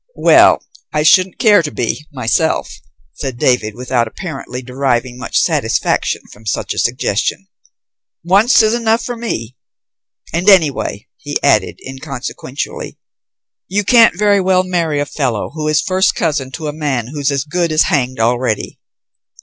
"Well, I shouldn't care to be, myself," said David, without apparently deriving much satisfaction from such a suggestion. "Once is enough for me. And anyway," he added inconsequently, "you can't very well marry a fellow who is first cousin to a man who's as good as hanged already!"